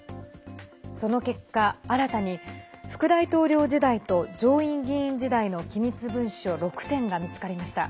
その結果、新たに副大統領時代と上院議員時代の機密文書６点が見つかりました。